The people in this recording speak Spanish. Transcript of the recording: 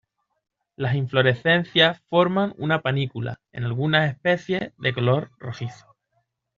Las inflorescencias forman una panícula, en algunas especies de color rojizo.